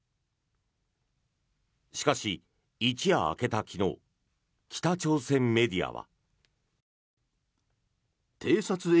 しかし、一夜明けた昨日北朝鮮メディアは。